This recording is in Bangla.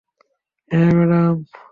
হ্যা, ম্যাডাম।